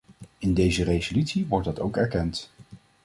In deze resolutie wordt dat ook erkend.